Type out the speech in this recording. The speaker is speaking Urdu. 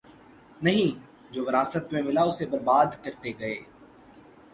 نہیں‘ جو وراثت میں ملا اسے بربادکرتے گئے۔